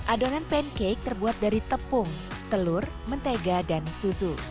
adonan pancake terbuat dari tepung telur mentega dan susu